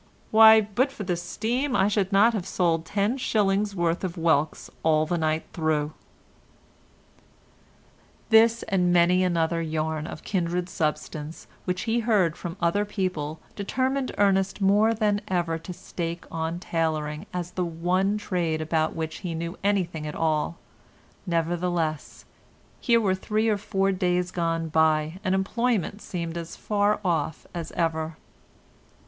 Why, but for the steam, I should not have sold 10s. worth of whelks all the night through." This, and many another yarn of kindred substance which he heard from other people determined Ernest more than ever to stake on tailoring as the one trade about which he knew anything at all, nevertheless, here were three or four days gone by and employment seemed as far off as ever.